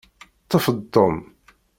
Ṭṭef-d Tom.